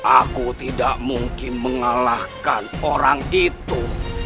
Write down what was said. aku tidak mungkin mengalahkan orang itu